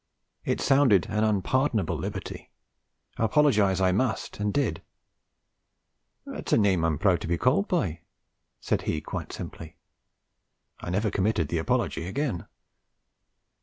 It sounded an unpardonable liberty; apologise I must, and did. 'It's a name I am proud to be called by,' said he quite simply. I never committed the apology again.